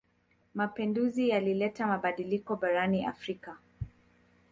Mapenduzi yalileta mabadiliko barani Afrika.